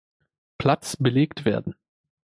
Platz belegt werden.